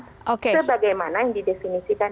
sebagaimana yang didesinisikan